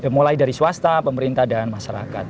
mulai dari swasta pemerintah dan masyarakat